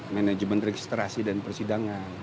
manajemen registrasi dan persidangan